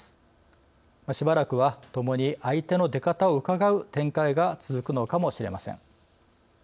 しばらくは共に相手の出方をうかがう展開が続くのかもしれません。